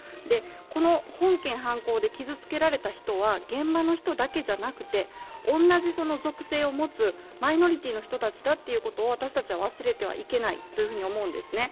この本件犯行で傷つけられた人は現場の人だけじゃなくて、同じ属性を持つマイノリティーの人たちだということを私たちは忘れてはいけないと思うんですね。